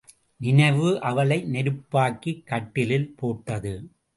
நினைவு அவளை நெருப்பாக்கிக் கட்டிலில் போட்டது.